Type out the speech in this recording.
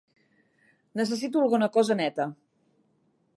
Necessito alguna cosa neta.